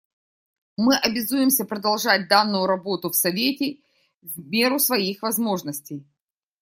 Мы обязуемся продолжать данную работу в Совете в меру своих возможностей.